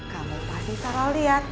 kamu pasti salah lihat